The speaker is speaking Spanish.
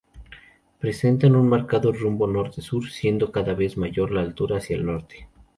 Presenta un marcado rumbo norte-sur, siendo cada vez mayor la altura hacia el norte.